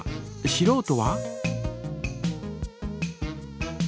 しろうとは？